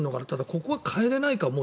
ただ、ここは変えられないか。